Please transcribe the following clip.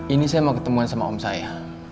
ini saya mau ketemuan sama om saya